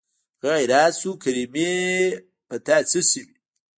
هغه حيران شو کریمې په تا څه شوي.